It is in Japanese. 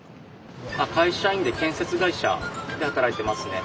会社員で建設会社で働いてますね。